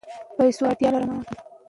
که مسلک وي نو مهارت نه ورکېږي.